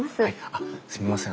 あっすみません